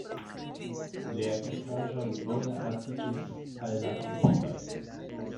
Liaj pentraĵoj bone adaptiĝis al la komunistoj.